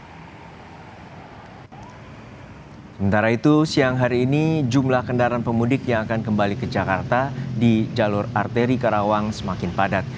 sementara itu siang hari ini jumlah kendaraan pemudik yang akan kembali ke jakarta di jalur arteri karawang semakin padat